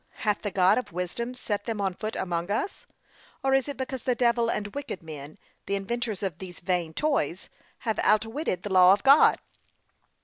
Hath the God of wisdom set them on foot among us? or is it because the devil and wicked men, the inventors of these vain toys, have outwitted the law of God?